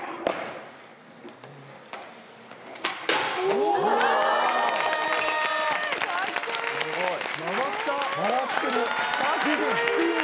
すごい！